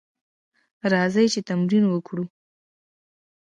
راځئ چې تمرین وکړو: